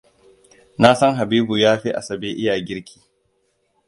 Na san Habibu ya fi Asabe iya girki.